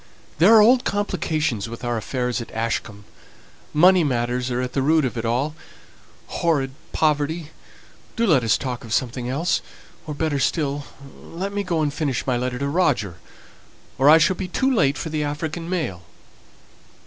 There are old complications with our affairs at Ashcombe. Money matters are at the root of it all. Horrid poverty do let us talk of something else! Or, better still, let me go and finish my letter to Roger, or I shall be too late for the African mail!"